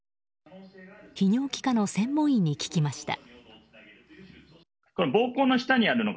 泌尿器科の専門医に聞きました。